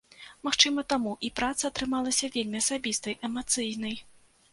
Магчыма, таму і праца атрымалася вельмі асабістай, эмацыйнай.